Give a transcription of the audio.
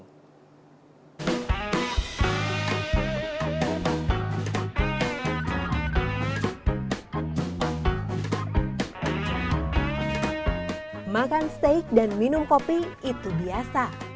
makan steak dan minum kopi itu biasa